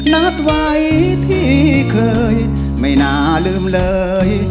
นัดไว้ที่เคยไม่น่าลืมเลย